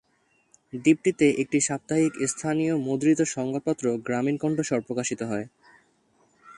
দ্বীপটিতে একটি সাপ্তাহিক স্থানীয় মুদ্রিত সংবাদপত্র "গ্রামীণ কণ্ঠস্বর" প্রকাশিত হয়।